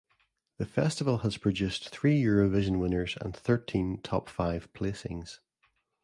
The festival has produced three Eurovision winners and thirteen top-five placings.